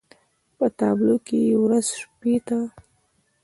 په تابلو کې يې ورځ شپې ته